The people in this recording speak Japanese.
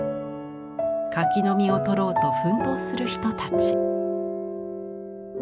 柿の実をとろうと奮闘する人たち。